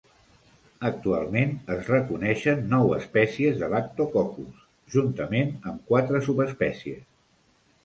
Actualment es reconeixen nou espècies de "Lactococcus" juntament amb quatre subespècies.